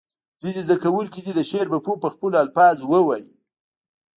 ځینې زده کوونکي دې د شعر مفهوم په خپلو الفاظو ووایي.